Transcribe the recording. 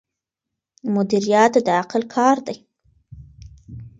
مدیریت د عقل کار دی.